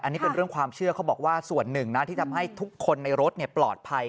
อันนี้เป็นเรื่องความเชื่อเขาบอกว่าส่วนหนึ่งนะที่ทำให้ทุกคนในรถปลอดภัย